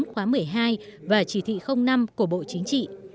khóa một mươi hai và chỉ thị năm của bộ chính trị